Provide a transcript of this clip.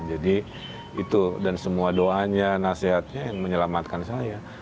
jadi itu dan semua doanya nasehatnya yang menyelamatkan saya